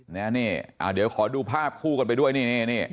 นี่เดี๋ยวขอดูภาพคู่กันไปด้วยนี่